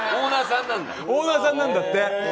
オーナーさんなんだって。